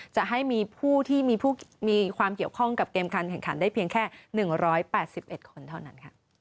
จะให้มีผู้ที่มีความเกี่ยวข้องกับเกมการแข่งขันได้เพียงแค่๑๘๑คนเท่านั้น